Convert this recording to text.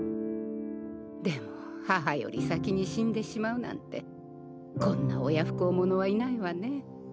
でも母より先に死んでしまうなんてこんな親不孝者はいないわね。